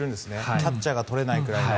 キャッチャーがとれないくらいの。